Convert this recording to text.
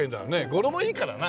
語呂もいいからな。